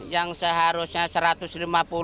yang seharusnya rp satu ratus lima puluh